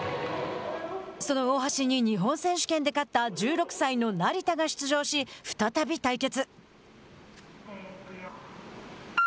その大橋に日本選手権で勝った１６歳の成田が出場し再び対決。